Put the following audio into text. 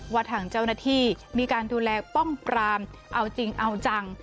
ว่าทางเจ้าหน้าที่มีการดูแลป้องปรามเอาจริงเอาจัง